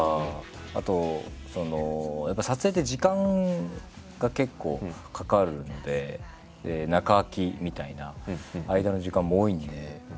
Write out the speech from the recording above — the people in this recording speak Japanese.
あとやっぱ撮影って時間が結構かかるんで中空きみたいな間の時間も多いんで。